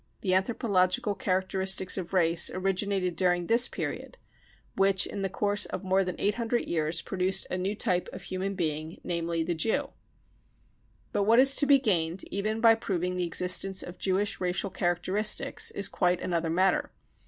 The anthropological characteristics of race originated dur ing this period, which in the course of more than eight hundred years produced a new type of human being, namely, the Jew. But what is to be gained even by proving the existence of Jewish racial characteristics is quite another matter.